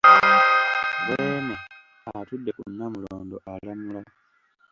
Beene atudde ku Namulondo alamula.